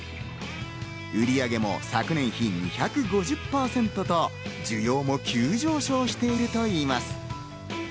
売上も昨年比２５０％と需要も急上昇しているといいます。